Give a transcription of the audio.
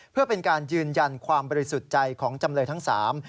เพื่อเป็นการยืนยันความบริสุทธิ์ใจของจำเลยทั้งสาม